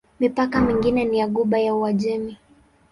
Mipaka mingine ni ya Ghuba ya Uajemi.